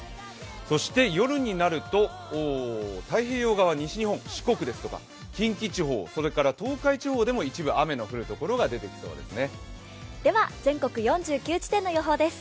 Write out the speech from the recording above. そして夜になると、太平洋側、西日本、四国ですとか近畿地方、東海地方でも一部雨の降る所が出てきそうですね。